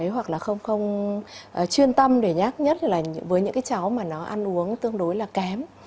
hoặc là không chuyên tâm để nhắc nhất là với những cái cháu mà nó ăn uống tương đối là kém